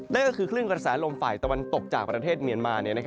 นั่นก็คือคลื่นกระแสลมฝ่ายตะวันตกจากประเทศเมียนมา